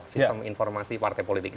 sistem informasi partai politik